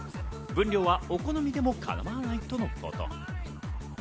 分量はお好みでも構わないとのこと。